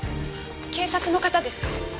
警察の方ですか？